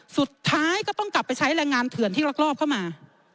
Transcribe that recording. สุดท้ายก็ต้องกลับไปใช้แรงงานเถื่อนที่รักรอบเข้ามา